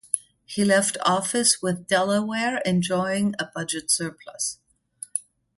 He left office with Delaware enjoying a budget surplus.